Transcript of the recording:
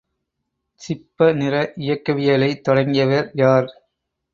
சிப்பநிற இயக்கவியலை தொடங்கியவர் யார்?